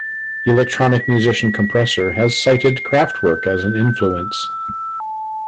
Electronic musician Kompressor has cited Kraftwerk as an influence.